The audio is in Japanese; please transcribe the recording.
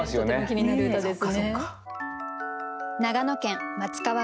気になる歌ですね。